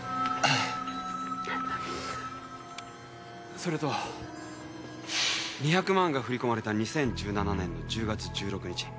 それと２００万が振り込まれた２０１７年１０月１６日。